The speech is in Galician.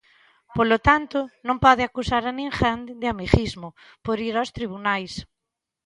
Polo tanto, non pode acusar a ninguén de amiguismo por ir aos tribunais.